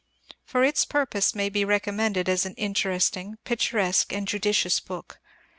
For its purpose it may be recommended as an interesting, picturesque, and judicious book.